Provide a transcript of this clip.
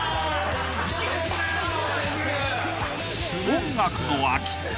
［音楽の秋］